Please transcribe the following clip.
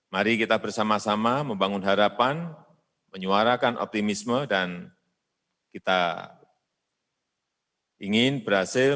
mari kita bersama sama membangun harapan menyuarakan optimisme dan kita ingin berhasil